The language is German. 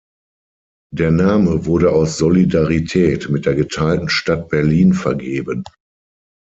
Der Name wurde aus Solidarität mit der geteilten Stadt Berlin vergeben.